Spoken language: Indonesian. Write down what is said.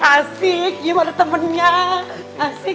asik yuk ada temennya asik